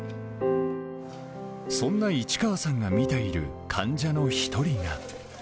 そんな市川さんが診ている患者の一人が。